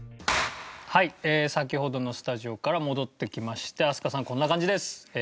はい先ほどのスタジオから戻ってきまして飛鳥さんこんな感じです。